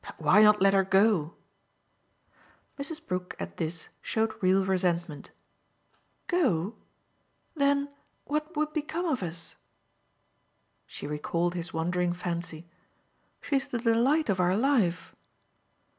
"But why not let her go?" Mrs. Brook, at this, showed real resentment. "'Go'? Then what would become of us?" She recalled his wandering fancy. "She's the delight of our life."